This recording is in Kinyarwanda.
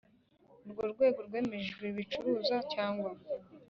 Urwo rwego rwemeje ibicuruzwa cyangwa?